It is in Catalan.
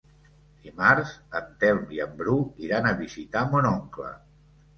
Dimarts en Telm i en Bru iran a visitar mon oncle.